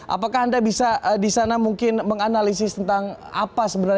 apakah anda bisa disana mungkin menganalisis tentang apa sebenarnya